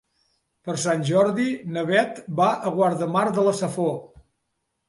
Per Sant Jordi na Beth va a Guardamar de la Safor.